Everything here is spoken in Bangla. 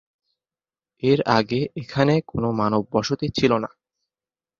এর আগে এখানে কোন মানব বসতি ছিল না।